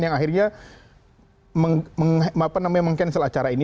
yang akhirnya meng cancel acara ini